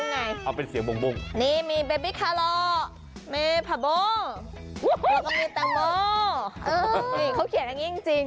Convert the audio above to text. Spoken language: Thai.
นี่เขาเขียนอย่างนี้จริง